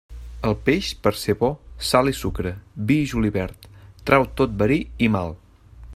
El peix, per ser bo, sal i sucre, vi i julivert trau tot verí i mal.